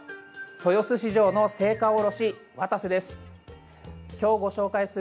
豊洲市場の青果卸、渡瀬です。